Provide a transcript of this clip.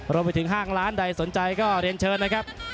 กระทั่งห้างร้านใดสนใจก็เรียนเชิญนะครับ